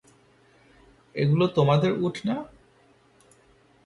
এগুলো তোমাদের উট না?